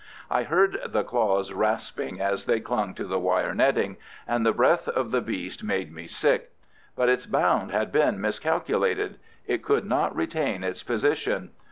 I heard the claws rasping as they clung to the wire netting, and the breath of the beast made me sick. But its bound had been miscalculated. It could not retain its position.